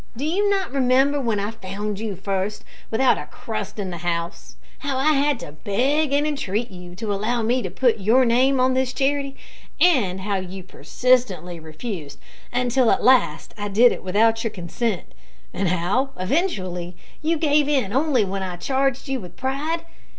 Do you not remember when I found you first, without a crust in the house, how I had to beg and entreat you to allow me to put your name on this charity, and how you persistently refused, until at last I did it without your consent; and how, eventually, you gave in only when I charged you with pride?